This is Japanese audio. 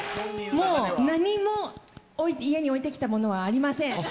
もう何も、家に置いてきたものはありません。